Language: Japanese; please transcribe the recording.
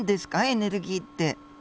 エネルギーって。